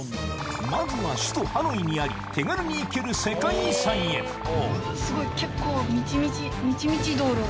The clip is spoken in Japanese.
まずは首都ハノイにあり手軽に行ける世界遺産へすごい結構満ち満ち道路が。